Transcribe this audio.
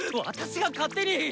私が勝手に。